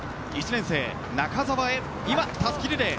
１年生、中澤へ今、たすきリレー。